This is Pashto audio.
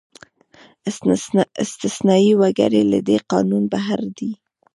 استثنايي وګړي له دې قانونه بهر دي.